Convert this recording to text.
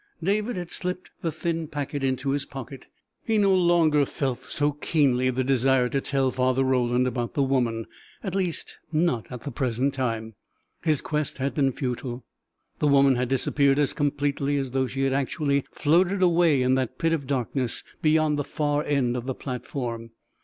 David had slipped the thin packet into his pocket. He no longer felt so keenly the desire to tell Father Roland about the woman at least not at the present time. His quest had been futile. The woman had disappeared as completely as though she had actually floated away into that pit of darkness beyond the far end of the platform.